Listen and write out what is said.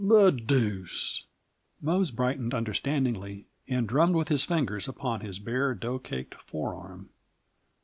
"The deuce!" Mose brightened understandingly and drummed with his fingers upon his bare, dough caked forearm.